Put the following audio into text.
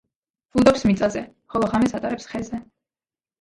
ბუდობს მიწაზე, ხოლო ღამეს ატარებს ხეზე.